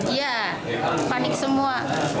iya panik semua